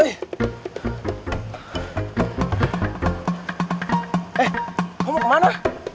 eh mau kemana